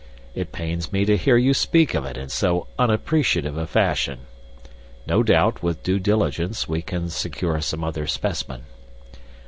It pains me to hear you speak of it in so unappreciative a fashion. No doubt, with due diligence, we can secure some other specimen."